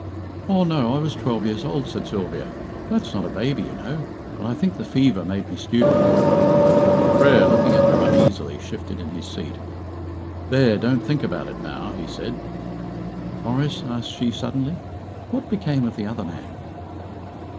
"Oh, no; I was twelve years old," said Sylvia; "that's not a baby, you know. But I think the fever made me stupid." Frere, looking at her uneasily, shifted in his seat. "There, don't think about it now," he said. "Maurice," asked she suddenly, "what became of the other man?"